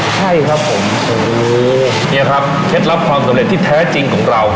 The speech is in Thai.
ใช่ครับผมโอ้โหเนี่ยครับเคล็ดลับความสำเร็จที่แท้จริงของเรา